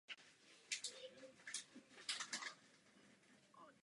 Je to také největší akvárium na západní polokouli.